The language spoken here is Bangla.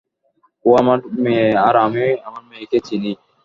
ও আমার মেয়ে আর আমি আমার মেয়েকে চিনি!